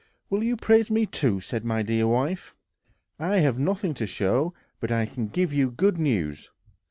"Will you praise me, too?" said my dear wife. "I have nothing to show, but I can give you good news.